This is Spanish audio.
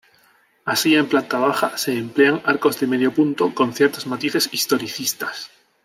Así en planta baja, se emplean arcos de medio punto, con ciertos matices historicistas.